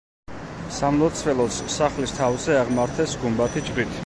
სამლოცველოს სახლის თავზე აღმართეს გუმბათი ჯვრით.